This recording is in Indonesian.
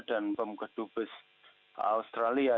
dan bom kedubes australia